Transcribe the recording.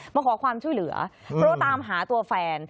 มาขอความช่วยเหลือเพราะตามหาตัวแฟน